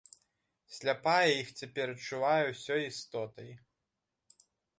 Сляпая іх цяпер адчувае ўсёй істотай.